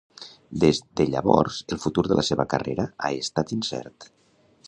Des de llavors el futur de la seva carrera ha estat incert.